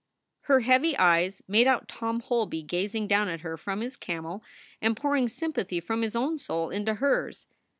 Her heavy eyes made out Tom Holby gazing down at her from his camel and pouring sympathy from his own soul into hers.